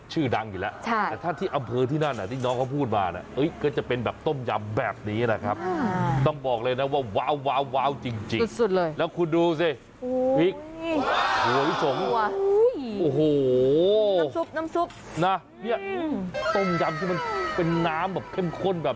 เฮ้ยอยู่ทางถนนอ้างลีดูนั่ง